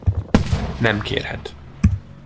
Nem kérhet.